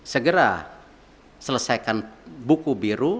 segera selesaikan buku biru